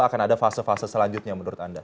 akan ada fase fase selanjutnya menurut anda